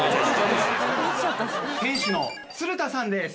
店主の鶴田さんです。